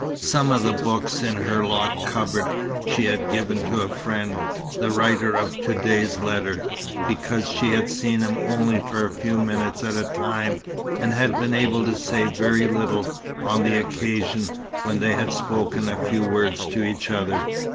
Some of the books in her locked cupboard she had given to a friend, the writer of to day's letter, because she had seen him only for a few minutes at a time, and had been able to say very little, on the one occasion when they had spoken a few words to each other.